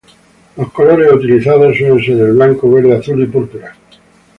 Los colores utilizados suelen ser el blanco, verde, azul y púrpura.